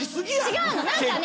違うの。